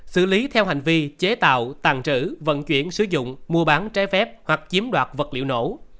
xử lý theo hành vi chế tạo tàn trữ vận chuyển sử dụng mua bán trái phép hoặc chiếm đoạt vật liệu nổ